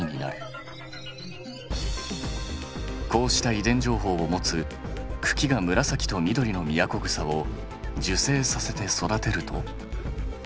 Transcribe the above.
こうした遺伝情報を持つ茎が紫と緑のミヤコグサを授精させて育てると。